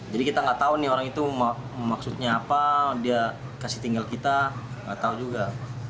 jadi kita nggak tahu nih orang itu maksudnya apa dia kasih tinggal kita nggak tahu juga